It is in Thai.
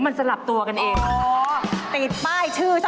เฮ่ยคนไหนตายแล้ว